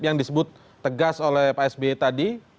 yang disebut tegas oleh pak sby tadi